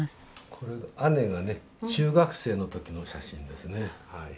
これ姉がね中学生の時の写真ですね。